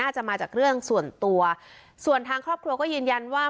จะมาจากเรื่องส่วนตัวส่วนทางครอบครัวก็ยืนยันว่า